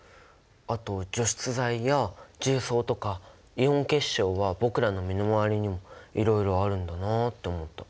あと除湿剤や重曹とかイオン結晶は僕らの身の回りにもいろいろあるんだなって思った。